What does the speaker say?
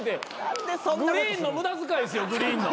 グリーンの無駄遣いですよグリーンの。